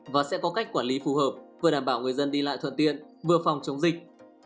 và sẽ có cách quản lý phù hợp vừa đảm bảo người dân đi lại thuận tiện vừa phòng chống dịch